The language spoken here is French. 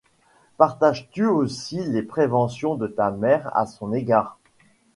Partages-tu aussi les préventions de ta mère à son égard ?